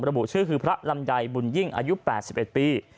ระบุชื่อคือพระลำไยบุญยิ่งอายุ๘๑ปี